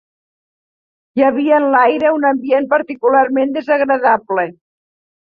Hi havia en l'aire un ambient particularment desagradable